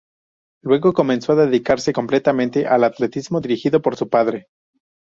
Luego comenzó a dedicarse completamente al atletismo, dirigido por su padre.